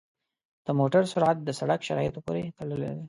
د موټر سرعت د سړک شرایطو پورې تړلی دی.